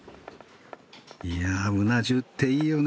いやうな重っていいよね。